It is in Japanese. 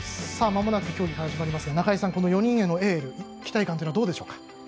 まもなく競技が始まりますが中井さん、４人へのエール期待感はどうでしょうか。